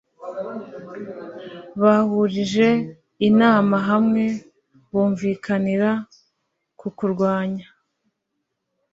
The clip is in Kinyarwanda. bahurije inama hamwe, bumvikanira kukurwanya